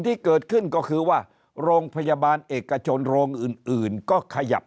ที่เกิดขึ้นก็คือว่าโรงพยาบาลเอกชนโรงอื่นอื่นก็ขยับ